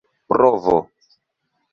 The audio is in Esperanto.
provo